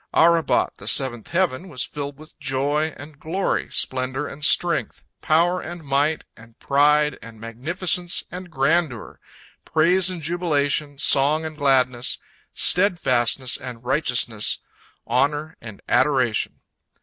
'Arabot, the seventh heaven, was filled with joy and glory, splendor and strength, power and might and pride and magnificence and grandeur, praise and jubilation, song and gladness, steadfastness and righteousness, honor and adoration.